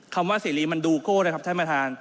คำว่าเสรีมันดูโก้นะครับท่านประธาน